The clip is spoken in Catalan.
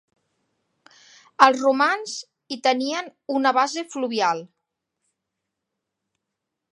Els romans hi tenien una base fluvial.